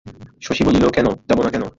শশী বলিল, কেন, যাব না কেন?